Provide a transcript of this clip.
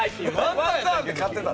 ワンターンで勝ってた。